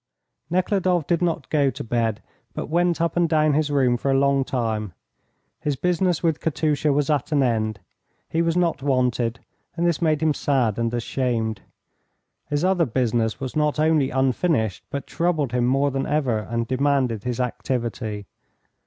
Nekhludoff did not go to bed, but went up and down his room for a long time. His business with Katusha was at an end. He was not wanted, and this made him sad and ashamed. His other business was not only unfinished, but troubled him more than ever and demanded his activity.